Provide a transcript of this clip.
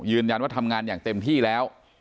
ยืนยันว่าทำงานอย่างเต็มที่แล้ว